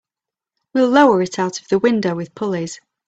We'll lower it out of the window with pulleys.